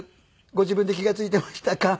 ご自分で気が付いていましたか？